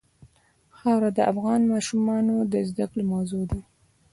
خاوره د افغان ماشومانو د زده کړې موضوع ده.